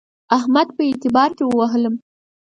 احمد په اعتبار کې ووهلم.